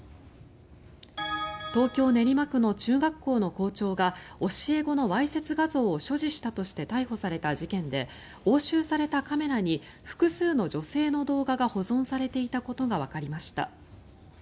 東京・練馬区の中学校の校長が教え子のわいせつ画像を所持したとして逮捕された事件で押収されたカメラに複数の女性の動画が保存されていたことがわかりました。